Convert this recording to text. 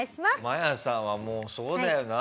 マヤさんはもうそうだよな